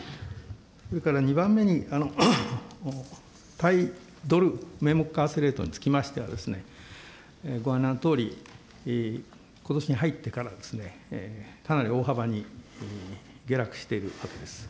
それから２番目に、対ドル名目為替レートにつきましては、ご案内のとおり、ことしに入ってから、かなり大幅に下落しているとこです。